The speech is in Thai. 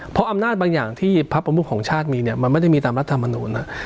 เพราะอำนาจบางอย่างที่พระประมุขของชาติมีเนี่ยมันไม่ได้มีตามรัฐมนุน